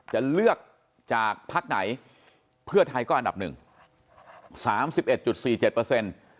จะเลือกจากพักไหนเพื่อไทยก็อันดับหนึ่ง๓๑๔๗เปอร์เซ็นต์